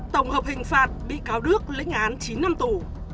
tổng hợp hình phạt bị cáo đức lĩnh án chín năm tù